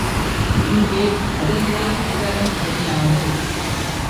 இங்கே அதெல்லாம் விவரம் தெரியாது.